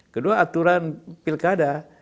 kedua aturan pilkada